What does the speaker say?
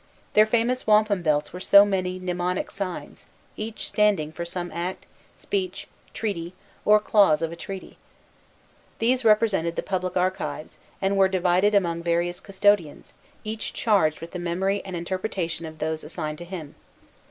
Their famous wampum belts were so many mnemonic signs, each standing for some act, speech, treaty, or clause of a treaty. These represented the public archives, and were divided among various custodians, each charged with the memory and interpretation of those assigned to him.